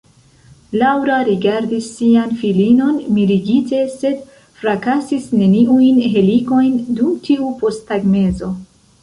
Laŭra rigardis sian filinon mirigite, sed frakasis neniujn helikojn dum tiu posttagmezo.